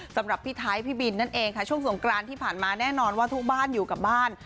สำหรับพี่ไทยพี่บินนั่นเองค่ะช่วงสงกรานที่ผ่านมาแน่นอนว่าทุกบ้านอยู่กับบ้าน